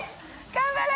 頑張れ！